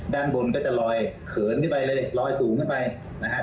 ด้านบนก็จะลอยเขินขึ้นไปเลยลอยสูงขึ้นไปนะฮะ